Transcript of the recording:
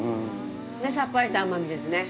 で、さっぱりした甘みですね。